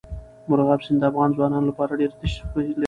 مورغاب سیند د افغان ځوانانو لپاره ډېره دلچسپي لري.